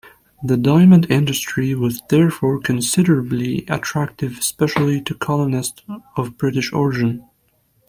The diamond industry was therefore considerably attractive, especially to colonists of British origin.